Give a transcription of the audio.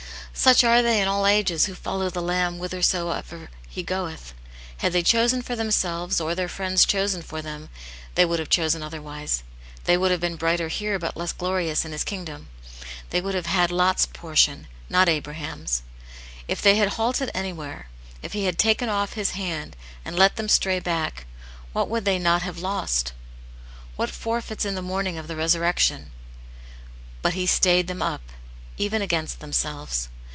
" Such are they in all ages who follow the Lamb whithersoever He goeth. Had they chosen for them selves, or their friends chosen for them, they would have chosen otherwise. They would have been brighter here, but less glorious in His kingdom. They would have had Lofs portion, not Abraham's. If they had halted anywhere — if He had taken off Preface. vii His hand, and let them stray back — what would they not have lost ? What forfeits in the morning of the resurrection ? But He stayed them up, even against themselves.